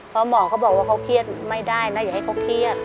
เพราะหมอเขาบอกว่าเขาเครียดไม่ได้นะอย่าให้เขาเครียด